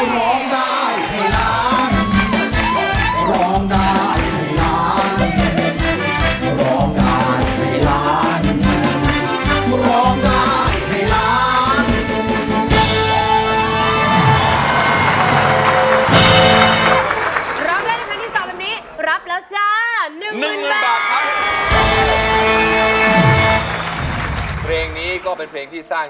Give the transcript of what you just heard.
ร้องได้ให้ล้าง